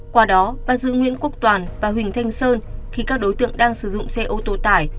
qua đó bắt giữ nguyễn quốc toàn và huỳnh thanh sơn khi các đối tượng đang sử dụng xe ô tô tải